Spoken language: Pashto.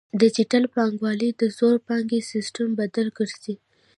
ډیجیټل بانکوالي د زوړ بانکي سیستم بدیل ګرځي.